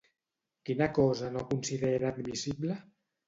Quina cosa no considera admissible?